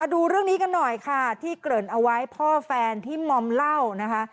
ดูเรื่องนี้กันหน่อยค่ะที่เกริ่นเอาไว้พ่อแฟนที่มอมเหล้านะคะ